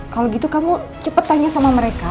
kalau gitu kamu cepat tanya sama mereka